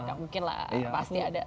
gak mungkin lah pasti ada